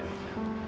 tunggu dulu deh